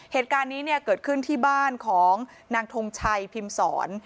เหตุการณ์นี้เนี่ยเกิดขึ้นที่บ้านของนางทงชัยพิมศร